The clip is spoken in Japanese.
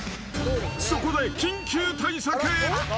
そこで緊急対策。